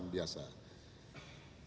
rumah tahanan biasa